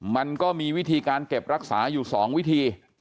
มันก็มีวิธีการเก็บรักษาอยู่๒วิธี